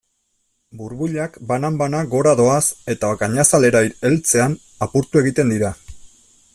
Burbuilak banan-banan gora doaz eta gainazalera heltzean apurtu egiten dira.